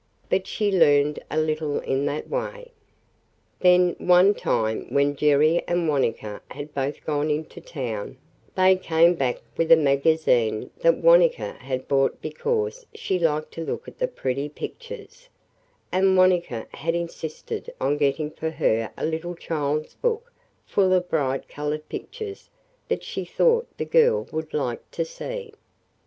But she learned a little in that way. Then, one time when Jerry and Wanetka had both gone into town, they came back with a magazine that Wanetka had bought because she liked to look at the pretty pictures, and Wanetka had insisted on getting for her a little child's book full of bright colored pictures that she thought the girl would like to see.